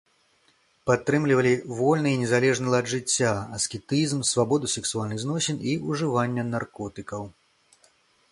Падтрымлівалі вольны і незалежны лад жыцця, аскетызм, свабоду сексуальных зносін і ўжывання наркотыкаў.